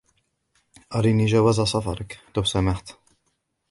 أرِنِي جواز سفرك ، لو سمحت.